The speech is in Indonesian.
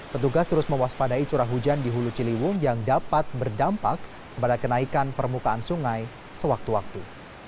petugas terus mewaspadai curah hujan di hulu ciliwung yang dapat berdampak pada kenaikan permukaan sungai sewaktu waktu